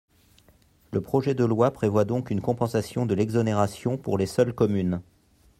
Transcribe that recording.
Le projet de loi prévoit donc une compensation de l’exonération pour les seules communes.